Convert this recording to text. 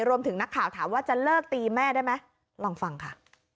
รวมถึงนักข่าวถามว่าจะเลิกตีแม่ได้ไหมลองฟังค่ะ